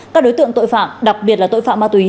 các đối tượng tội phạm đặc biệt là tội phạm bệnh